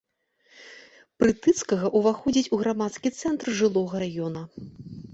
Прытыцкага, уваходзіць у грамадскі цэнтр жылога раёна.